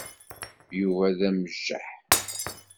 Yuba d amjaḥ.